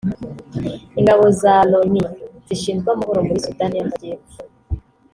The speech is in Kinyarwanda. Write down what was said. Ingabo za Loni zishinzwe amahoro muri Sudani y’Amajyepfo